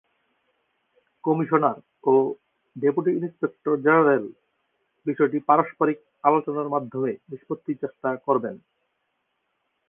Commissioner ও deputy inspector general বিষয়টি পারস্পরিক আলোচনার মাধ্যমে নিষ্পত্তির চেষ্টা করবেন।